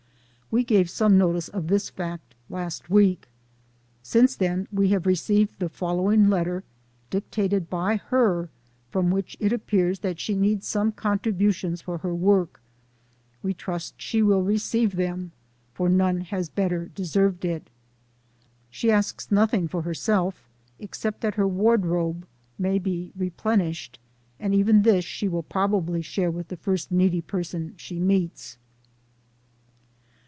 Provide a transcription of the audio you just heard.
We gave some notice of this fact last week. Since then we have received the following letter, dictated by her, from which it appears that she needs some contributions for her work. We trust she will receive them, for none has better deserved it. She asks nothing for herself, except that her wardrobe may be replen ished, and even this she will probably share with the first needy person she meets.